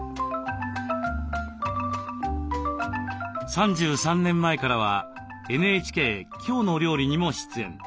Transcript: ３３年前からはＮＨＫ「きょうの料理」にも出演。